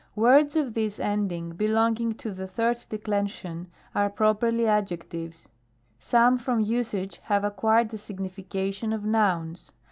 Words of this ending, belonging to 3d Dec, are properly adjectives; some from usage have acquired the signification of nouns.